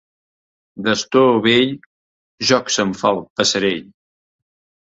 D'astor vell, joc se'n fa el passerell.